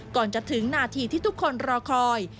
ก่อนจะถึงนาทีที่ทุกคนรอคอย